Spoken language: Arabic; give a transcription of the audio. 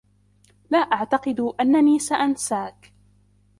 لا أعتقد أنّني سأنساك.